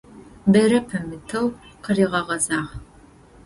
Бэрэ пэмытэу къыригъэгъэзагъ.